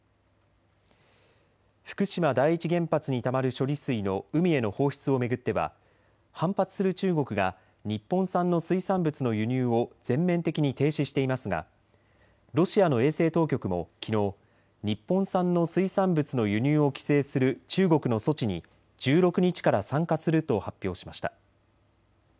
福島第一原発にたまる処理水の海への放出を巡っては反発する中国が日本産の水産物の輸入を全面的に停止していますがロシアの衛生当局もきのう日本産の水産物の輸入を規制する中国の措置に１６日から参加すると発表しました。